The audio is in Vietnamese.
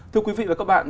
thưa quý vị và các bạn